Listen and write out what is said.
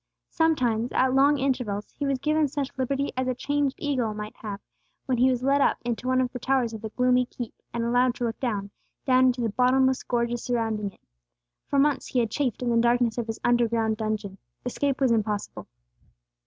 Sometimes, at long intervals, he was given such liberty as a chained eagle might have, when he was led up into one of the towers of the gloomy keep, and allowed to look down, down into the bottomless gorges surrounding it. For months he had chafed in the darkness of his underground dungeon; escape was impossible.